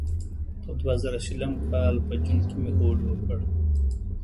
د دوه زره شلم کال په جون کې مې هوډ وکړ.